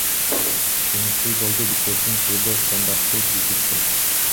Жеңиштүү голду Бишкектин клубу стандарттуу киргизишти.